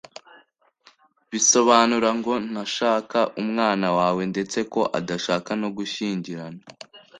bisobanura ngo ntashaka umwana wawe ndetse ko adashaka no gushyingirana